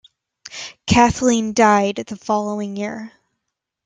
Kathleen died the following year.